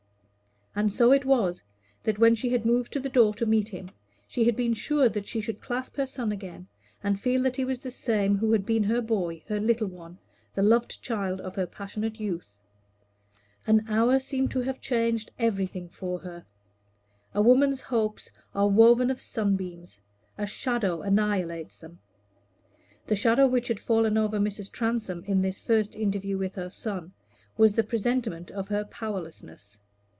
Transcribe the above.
And so it was, that when she had moved to the door to meet him, she had been sure that she should clasp her son again, and feel that he was the same who had been her boy, her little one, the loved child of her passionate youth. An hour seemed to have changed everything for her. A woman's hopes are woven of sunbeams; a shadow annihilates them. The shadow which had fallen over Mrs. Transome in this first interview with her son was the presentiment of her powerlessness.